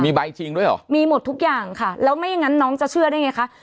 มีใบจริงด้วยเหรอมีหมดทุกอย่างค่ะแล้วไม่อย่างนั้นน้องจะเชื่อได้ไงคะ